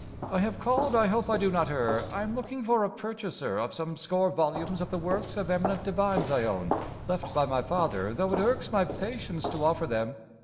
"I have called I hope I do not err I am looking for a purchaser Of some score volumes of the works Of eminent divines I own, Left by my father though it irks My patience to offer them."